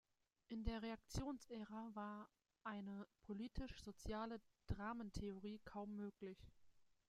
In der Reaktionsära war eine politisch-soziale Dramentheorie kaum möglich.